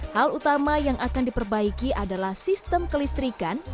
hal utama yang akan diperbaiki adalah sistem kelistrikan